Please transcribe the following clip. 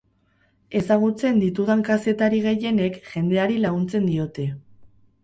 Ezagutzen ditudan kazetari gehienek jendeari laguntzen diote.